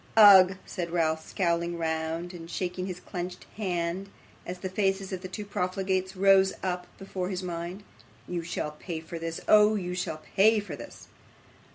'Ugh!' said Ralph, scowling round, and shaking his clenched hand as the faces of the two profligates rose up before his mind; 'you shall pay for this. Oh! you shall pay for this!